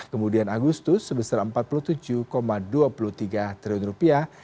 kemudian agustus sebesar empat puluh tujuh dua puluh tiga triliun rupiah